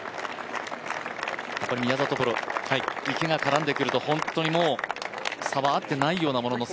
宮里プロ、池が絡んでくると、本当に差はあってないようなものの